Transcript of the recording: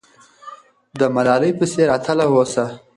د ملالۍ په څېر اتل اوسه.